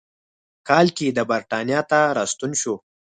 کال کې د برېټانیا ته راستون شو.